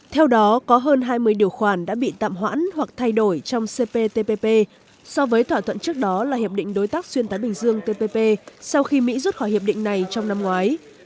theo đó có hơn hai mươi điều khoản đã bị tạm hoãn hoặc thay đổi trong cptpp so với thỏa thuận trước đó là hiệp định đối tác xuyên thái bình dương tpp sau khi mỹ rút khỏi hiệp định này trong năm ngoái